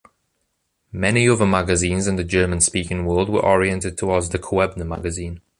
Many other magazines in the German-speaking world were oriented towards the Koebner magazine.